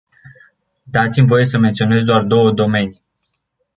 Dați-mi voie să menționez doar două domenii.